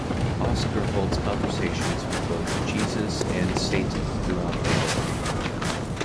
Oskar holds conversations with both Jesus and Satan throughout the book.